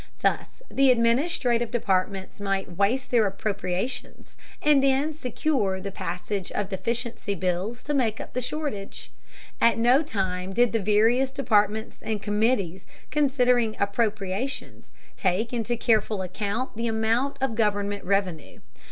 Thus the administrative departments might waste their appropriations, and then secure the passage of deficiency bills to make up the shortage. At no time did the various departments and committees considering appropriations take into careful account the amount of government revenue.